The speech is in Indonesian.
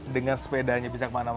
dengan sepedanya bisa kemana mana